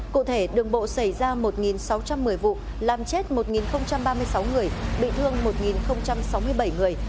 cụ thể đường bộ xảy ra một sáu trăm một mươi vụ làm chết một ba mươi sáu người bị thương một sáu mươi bảy người